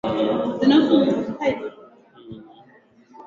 kwenda bega kwa bega